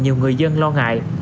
nhiều người dân lo ngại